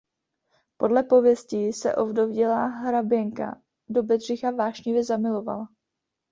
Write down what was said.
Podle pověsti se ovdovělá hraběnka do Bedřicha vášnivě zamilovala.